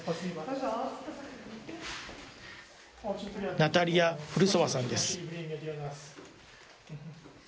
ナタリヤ・フルソワさんです。